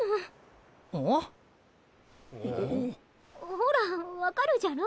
ほらわかるじゃろ？